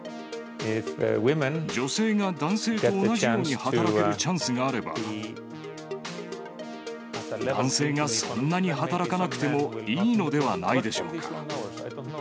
女性が男性と同じように働けるチャンスがあれば、男性がそんなに働かなくてもいいのではないでしょうか。